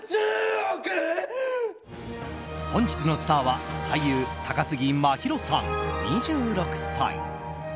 本日のスターは俳優、高杉真宙さん、２６歳。